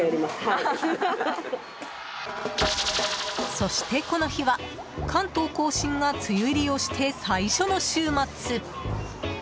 そして、この日は関東・甲信が梅雨入りをして最初の週末。